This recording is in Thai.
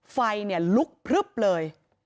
ไฟลุกพลึบเลย